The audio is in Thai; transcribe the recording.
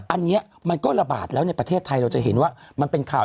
อันนี้มันก็ระบาดแล้วในประเทศไทยเราจะเห็นว่ามันเป็นข่าว